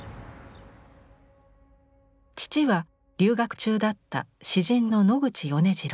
父は留学中だった詩人の野口米次郎。